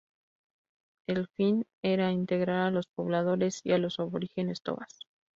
El fin era integrar a los pobladores y a los aborígenes tobas.